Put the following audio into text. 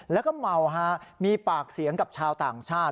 แล้วก็เมาฮะมีปากเสียงกับชาวต่างชาติ